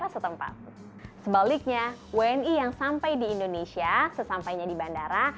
sebaliknya wni yang sampai di indonesia sesampainya di bandara